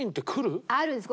あるんです。